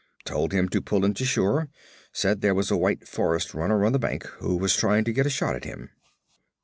'Told him to pull into shore; said there was a white forest runner on the bank who was trying to get a shot at him.'